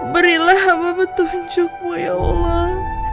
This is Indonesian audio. berilah apa petunjukmu ya allah